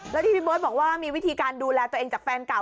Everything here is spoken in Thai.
และที่พี่โบ๊ทบอกว่ามีวิธีดูแลตัวเองจากแฟนเก่า